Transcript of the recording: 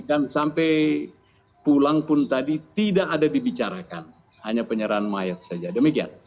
dan sampai pulang pun tadi tidak ada dibicarakan hanya penyerahan mayat saja demikian